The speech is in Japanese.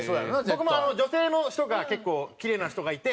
僕も女性の人が結構キレイな人がいて。